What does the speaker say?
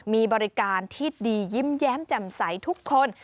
มีบริการที่ดียิ้มแย้มแจ่มใสทุกคน